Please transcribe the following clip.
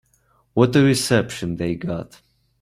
What a reception they got.